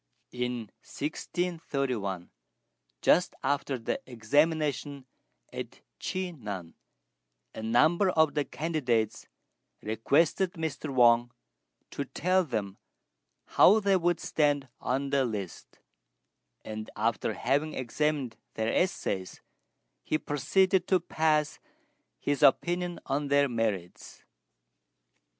In 1631, just after the examination at Chi nan, a number of the candidates requested Mr. Wang to tell them how they would stand on the list; and, after having examined their essays, he proceeded to pass his opinion on their merits.